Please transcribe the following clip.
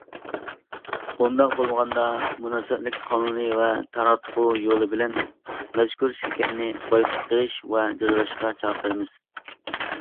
ئۇنداق بولمىغاندا، مۇناسىۋەتلىك قانۇنىي ۋە تاراتقۇ يولى بىلەن مەزكۇر شىركەتنى بايقۇت قىلىش ۋە جازالاشقا چاقىرىمىز.